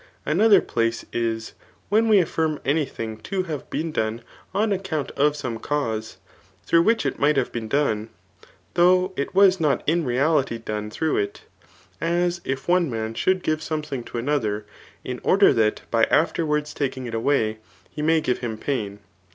Another place is, when we gffirm any thing to have been done on account of some cause, through which it might have been done, though ft was not in reality done through it; as if one man (should give something to another, in order that by {[afterwards] taking it away, he may give him pain.